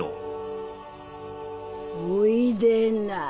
おいでな。